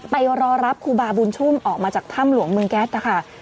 ไปรอรับครูบาบุญชุ่มออกมาจากถ้ำหลวงเมืองแก๊สนะคะ